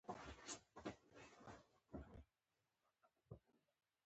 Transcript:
دا سیمه یوه ښکلې او زرغونه دره ده